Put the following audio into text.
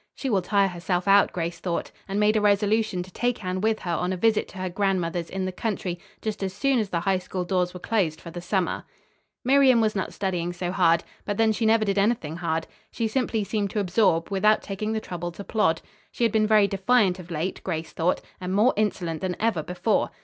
"She will tire herself out," Grace thought, and made a resolution to take Anne with her on a visit to her grandmother's in the country just as soon as the High School doors were closed for the summer. Miriam was not studying so hard. But then she never did anything hard. She simply seemed to absorb, without taking the trouble to plod. She had been very defiant of late, Grace thought, and more insolent than ever before.